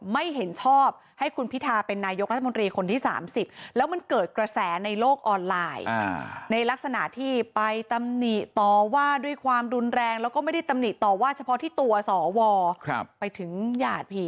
น้องลูกธุรกิจหรืออะไรแบบเนี้ย